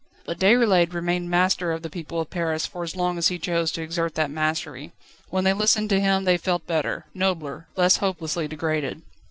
But Déroulède remained master of the people of Paris for as long as he chose to exert that mastery. When they listened to him they felt better, nobler, less hopelessly degraded.